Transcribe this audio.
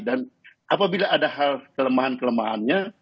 dan apabila ada hal kelemahan kelemahannya